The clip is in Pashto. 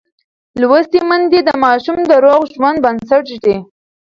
لوستې میندې د ماشوم د روغ ژوند بنسټ ږدي.